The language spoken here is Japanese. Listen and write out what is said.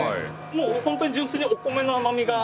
もう本当に純粋にお米の甘みが。